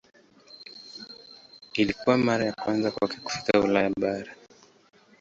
Ilikuwa mara ya kwanza kwake kufika Ulaya bara.